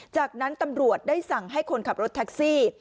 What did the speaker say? จากนั้นตำรวจได้สั่งให้คนขับรถแท็กซี่